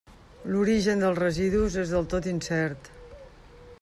L'origen dels residus és del tot incert.